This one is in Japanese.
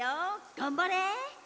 がんばれ！